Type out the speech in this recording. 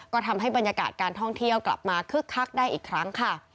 ก็ทำให้บรรยากาศการท่องเที่ยวกลับมาคึกคักได้อีกครั้งค่ะ